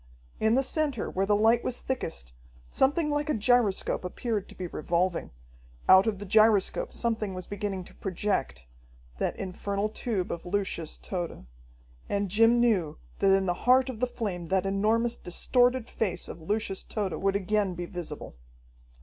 In the center where the light was thickest, something like a gyroscope appeared to be revolving. Out of the gyroscope something was beginning to project that infernal tube of Lucius Tode. And Jim knew that in the heart of the flame that enormous, distorted face of Lucius Tode would again be visible.